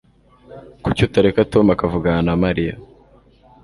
Kuki utareka Tom akavugana na Mariya